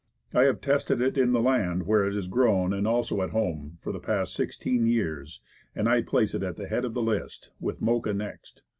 I have tested it in the land where it is grown, and also at home, for the past sixteen years, and I place it at the head of the list, with Mocha next.